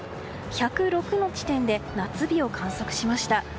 １０６の地点で夏日を観測しました。